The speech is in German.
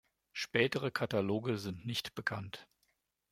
Spätere Kataloge sind nicht bekannt.